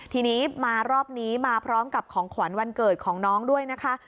ทีนี้มารอบนี้มาพร้อมกับของขวัญวันเกิดของน้องด้วยนะคะ